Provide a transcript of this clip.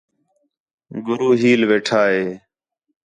گُرو ہیل ویٹھا ہِے